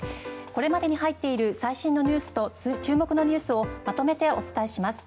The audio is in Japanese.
これまでに入っている最新のニュースと注目のニュースをまとめてお伝えします。